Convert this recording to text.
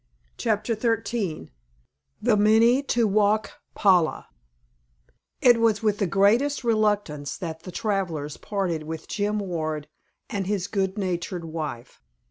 *CHAPTER XIII* *THE MINNE TO WAUK PALA* It was with the greatest reluctance that the travelers parted with Jim Ward and his good natured wife.